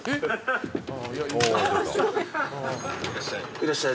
いらっしゃい。